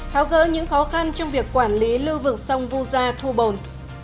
tháo gỡ những khó khăn trong việc quản lý lưu vực sông vu gia thu bồn